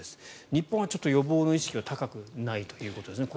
日本はちょっと予防の意識は高くないということですね